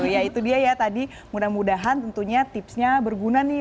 ya itu dia ya tadi mudah mudahan tentunya tipsnya berguna nih